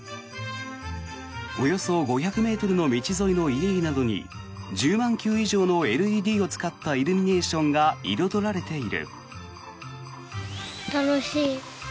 およそ５００ｍの道沿いの家々などに１０万球以上のＬＥＤを使ったイルミネーションが彩られている。